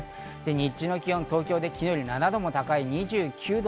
日中の気温は東京で昨日より７度も高い２９度。